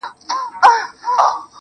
o دا ناځوانه نور له كاره دى لوېــدلى.